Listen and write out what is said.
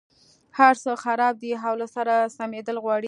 هرڅه خراب دي او له سره سمېدل غواړي.